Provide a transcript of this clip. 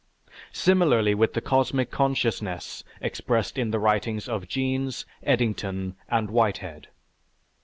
Similarly with the cosmic consciousness expressed in the writings of Jeans, Eddington, and Whitehead.